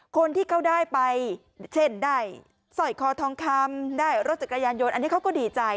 คนที่เขาได้ไปเช่นได้สร้อยคอทองคำได้รถจักรยานยนต์อันนี้เขาก็ดีใจ